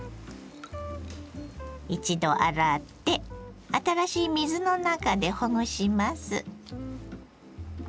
一度洗って新しい水の中でほぐします。